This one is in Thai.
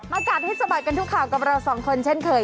มาการให้สบายกันทุกข่าวกับเรา๒คนเช่นเคย